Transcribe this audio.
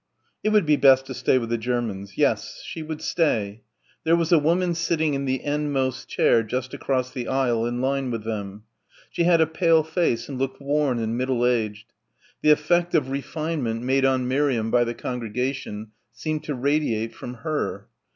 It would be best to stay with the Germans. Yes ... she would stay. There was a woman sitting in the endmost chair just across the aisle in line with them. She had a pale face and looked worn and middle aged. The effect of "refinement" made on Miriam by the congregation seemed to radiate from her.